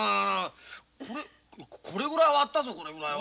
これこれぐらいはあったぞこれぐらいは。